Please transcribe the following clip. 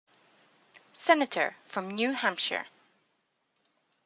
Senator from New Hampshire.